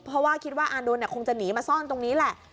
เพราะว่าคิดว่าอานนท์คงจะหนีมาซ่อนตรงนี้แหละ